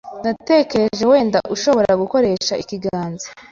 Natekereje wenda ushobora gukoresha ikiganza.